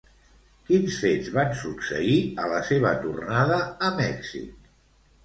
Quins fets van succeir a la seva tornada a Mèxic?